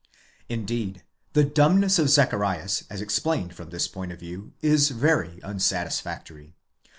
Indeed, the dumbness of Zacharias as explained from this point of view is very unsatisfactory.